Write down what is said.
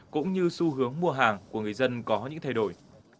cũng như xu hướng mua hàng của người dân có những thay đổi